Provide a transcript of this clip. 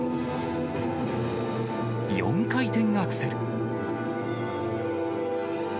４回転アクセル。